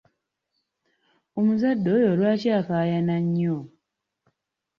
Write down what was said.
Omuzadde oyo lwaki akaayana nnyo?